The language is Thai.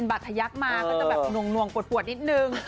ก็จะแบบนวงกรวดนิดนึง